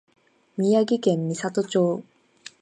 宮城県美里町